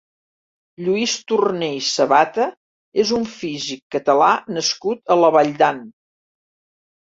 Lluís Torner i Sabata és un físic Català nascut a La Valldan.